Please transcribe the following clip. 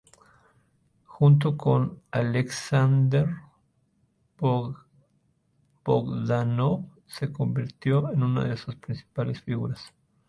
Junto con Aleksandr Bogdánov, se convirtió en una de sus principales figuras.